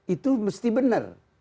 itu mesti benar